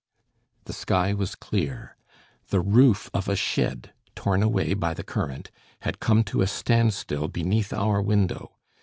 The sky was clear. The roof of a shed, torn away by the current, had come to a standstill beneath our window.